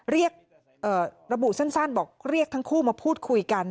ระบุสั้นบอกเรียกทั้งคู่มาพูดคุยกัน